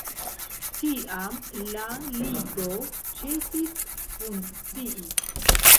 Tiam la ligo ĉesis funkcii.